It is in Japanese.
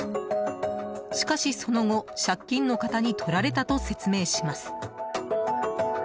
しかし、その後借金のかたにとられたと説明します。